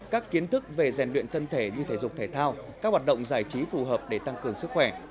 các kiến thức về rèn luyện thân thể như thể dục thể thao các hoạt động giải trí phù hợp để tăng cường sức khỏe